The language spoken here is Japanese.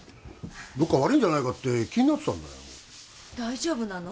どっか悪いんじゃないかって気になってたんだよ大丈夫なの？